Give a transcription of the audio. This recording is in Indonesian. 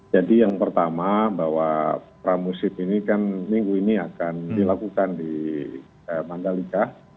jadi yang pertama bahwa peramusim ini kan minggu ini akan dilakukan di mandalika